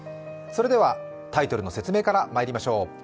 それではタイトルの説明からまいりましょう。